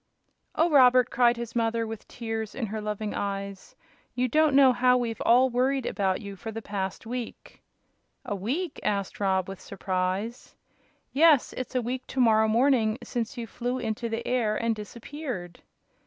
"Oh, Robert!" cried his mother, with tears in her loving eyes, "you don't know how we've all worried about you for the past week!" "A week?" asked Rob, with surprise. "Yes; it's a week to morrow morning since you flew into the air and disappeared."